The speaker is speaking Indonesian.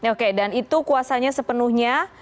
oke dan itu kuasanya sepenuhnya